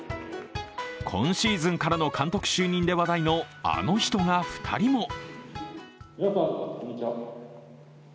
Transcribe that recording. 今シーズンからの監督就任で話題のあの人が２人も。